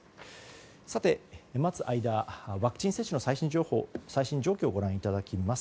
さて、待つ間にワクチン接種の最新状況をご覧いただきます。